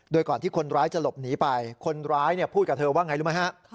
โดยก่อนที่คนร้ายจะหลบหนีไปคนร้ายพูดกับเธอว่าไงรู้ไหมฮะ